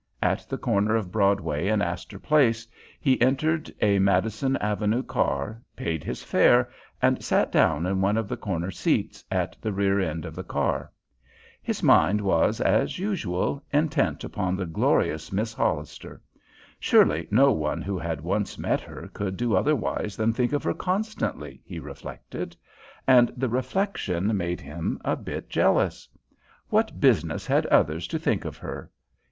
At the corner of Broadway and Astor Place he entered a Madison Avenue car, paid his fare, and sat down in one of the corner seats at the rear end of the car. His mind was, as usual, intent upon the glorious Miss Hollister. Surely no one who had once met her could do otherwise than think of her constantly, he reflected; and the reflection made him a bit jealous. What business had others to think of her?